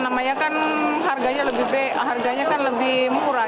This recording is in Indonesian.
namanya kan harganya lebih murah